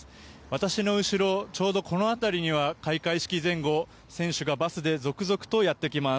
私の後ろ、ちょうどこの辺りには開会式前後、選手がバスで続々とやってきます。